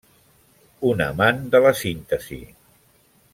Un amant de la síntesi.